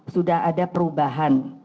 sudah ada perubahan